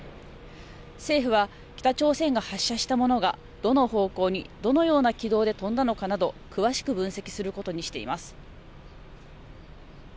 政府は北朝鮮が発射したものがどの方向に、どのような軌道で飛んだのかなど、詳しく分析することにしています。